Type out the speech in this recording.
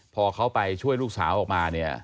พ่อเขาไปช่วยลูกสาวออกมา